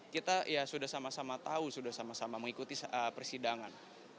kita ya sudah sama sama tahu sudah sama sama mengikuti persidangan